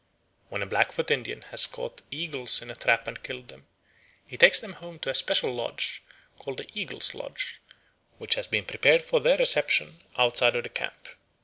When a Blackfoot Indian has caught eagles in a trap and killed them, he takes them home to a special lodge, called the eagles' lodge, which has been prepared for their reception outside of the camp.